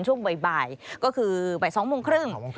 ช่วงบ่ายก็คือบ่าย๒โมงครึ่ง